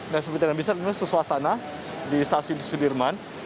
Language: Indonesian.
dan seperti yang bisa ini adalah suasana di stasiun sudirman